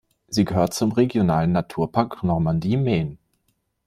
Sie gehört zum Regionalen Naturpark Normandie-Maine.